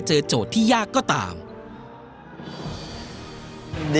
ค่อยสอนเราอะไรเราก็พัฒนาขึ้นมาครับ